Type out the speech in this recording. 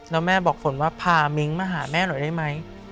แล้วแม่บอกฝนว่าพามิ้งมาหาแม่หน่อยได้ไหม